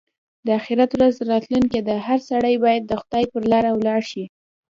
د اخيرت ورځ راتلونکې ده؛ هر سړی باید د خدای پر لاره ولاړ شي.